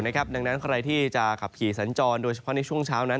ดังนั้นใครที่จะขับขี่สัญจรโดยเฉพาะในช่วงเช้านั้น